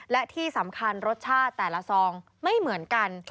และที่สำคัญรสชาติแต่ละซองไม่เหมือนกัน